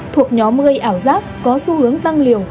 thuộc nhóm gây ảo giác có xu hướng tăng liều